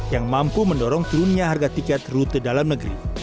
yang mampu mendorong turunnya harga tiket rute dalam negeri